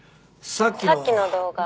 「さっきの動画」